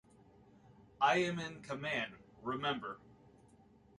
I am in command, remember.